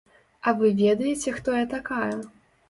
А вы ведаеце, хто я такая?